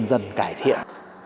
và dần dần cải thiện